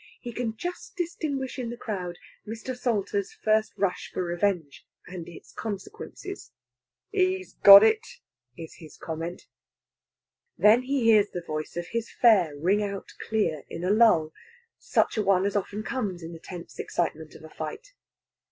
He can just distinguish in the crowd Mr. Salter's first rush for revenge and its consequences. "He's got it!" is his comment. Then he hears the voice of his fare ring out clear in a lull such a one as often comes in the tense excitement of a fight.